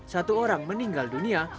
satu orang meninggal dunia